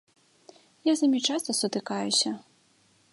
Я з імі часта сутыкаюся.